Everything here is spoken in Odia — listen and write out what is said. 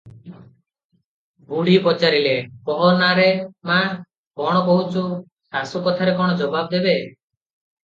ବୁଢ଼ୀ ପଚାରିଲେ, "କହ ନା ରେ ମା, କଣ କହୁଛୁ?" ଶାଶୁ କଥାରେ କଣ ଜବାବ ଦେବେ?